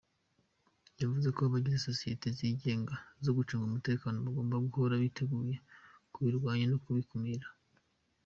Yavuze ko abagize sosiyeti zigenga zo gucunga umutekano bagomba guhora biteguye kubirwanya no kubikumira.